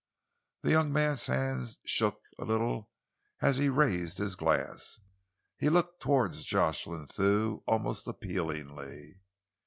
The young man's hand shook a little as he raised his glass. He looked towards Jocelyn Thew almost appealingly.